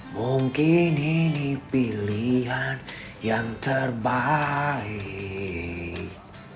mungkin ini pilihan yang terbaik